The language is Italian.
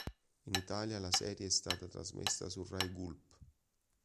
In Italia la serie è stata trasmessa su Rai Gulp.